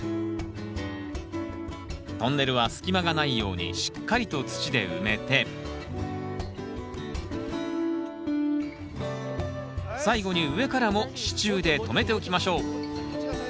トンネルは隙間がないようにしっかりと土で埋めて最後に上からも支柱で留めておきましょう